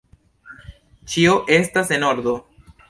Ĉio estas en ordo!